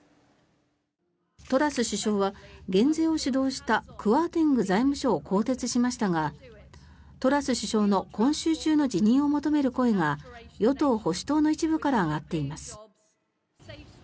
トラス首相は減税を主導したクワーテング財務相を更迭しましたがトラス首相の今週中の辞任を求める声が与党・保守党の一部から上がっています。